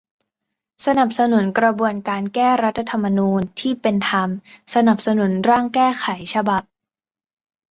สนับสนุนกระบวนการแก้รัฐธรรมนูญที่เป็นธรรม สนับสนุนร่างแก้ไขฉบับ